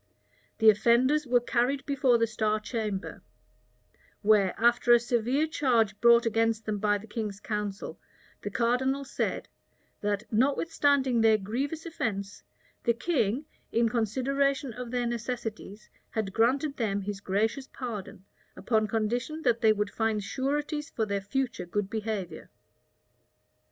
The offenders were carried before the star chamber; where, after a severe charge brought against them by the king's council, the cardinal said, "that notwithstanding their grievous, offence, the king, in, consideration of their necessities, had granted them his gracious pardon, upon condition that they would find sureties for their future good behavior."